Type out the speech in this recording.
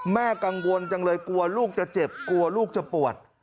แม่กังวลจังเลยกลัวลูกจะเจ็บกลัวลูกจะปวด